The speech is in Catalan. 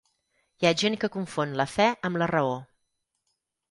Hi ha gent que confon la fe amb la raó.